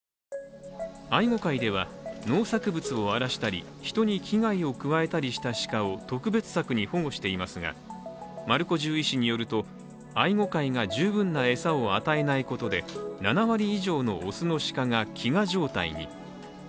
愛護会では農作物を荒らしたり人に危害を加えたりした鹿を、特別柵に保護していますが、丸子獣医師によると、愛護会が十分な餌を与えないことで７割以上の雄の鹿が飢餓状態に。